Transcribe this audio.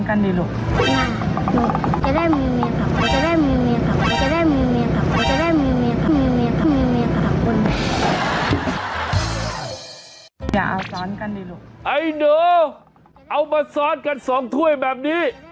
ไอหนูเอามาซ้อนกัน๒ถ้วยแบบนี้